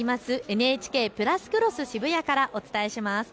ＮＨＫプラスクロスＳＨＩＢＵＹＡからお伝えします。